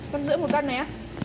trăm rưỡi một cân này ạ